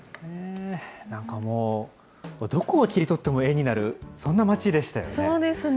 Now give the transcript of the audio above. なんかもう、どこを切り取っても絵になる、そんな町でしたよね。